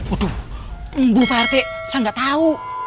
aduh ibu pak rt saya gak tau